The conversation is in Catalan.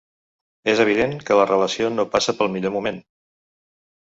És evident que la relació no passa pel millor moment.